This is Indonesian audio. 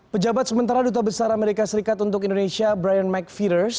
pejabat sementara duta besar amerika serikat untuk indonesia brian mc feeders